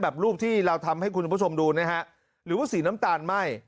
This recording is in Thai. รูปที่เราทำให้คุณผู้ชมดูนะฮะหรือว่าสีน้ำตาลไหม้